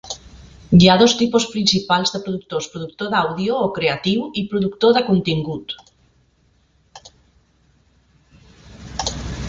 Hi ha dos tipus principals de productors: productor d'àudio o creatiu i productor de contingut.